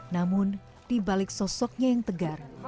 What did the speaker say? namun dibalik sosoknya yang tegar